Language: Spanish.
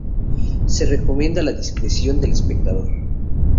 Se recomienda la discreción del espectador".